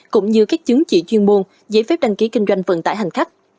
cũng như các chứng chỉ chuyên môn giấy phép đăng ký kinh doanh vận tải hành khách